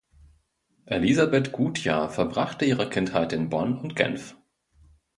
Elisabeth Gutjahr verbrachte ihre Kindheit in Bonn und Genf.